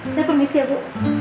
saya permisi ya bu